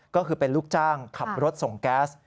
ก็คือเป็นลูกจ้างขับรถส่งแก๊ส